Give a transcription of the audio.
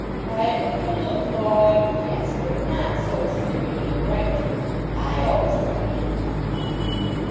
"By a quibble of law, yes; but not so as to give you any right to it. I always draw the income."